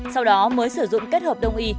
sau đó mới sử dụng kết hợp đông y